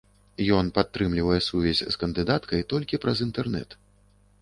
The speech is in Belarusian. Ён падтрымлівае сувязь з кандыдаткай толькі праз інтэрнэт.